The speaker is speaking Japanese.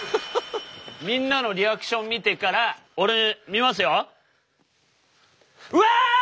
みんなのリアクション見てから俺見ますよ？